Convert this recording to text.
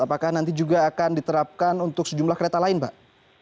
apakah nanti juga akan diterapkan untuk sejumlah kereta lain pak